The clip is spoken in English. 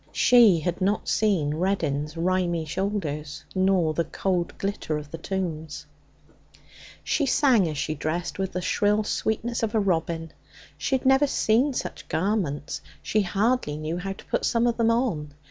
She had not seen Reddin's rimy shoulders, nor the cold glitter of the tombs. She sang as she dressed with the shrill sweetness of a robin. She had never seen such garments; she hardly knew how to put some of them on.